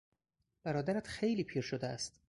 برادرت خیلی پیر شده است.